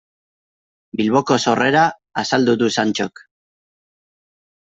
Bilboko sorrera azaldu du Santxok.